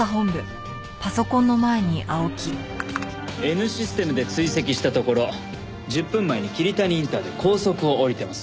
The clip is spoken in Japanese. Ｎシステムで追跡したところ１０分前に桐谷インターで高速を降りてます。